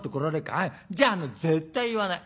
「ああじゃあ絶対言わない。